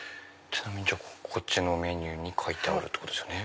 こっちのメニューに書いてあるってことですよね。